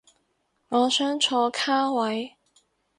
我想坐卡位